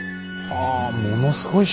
はあものすごい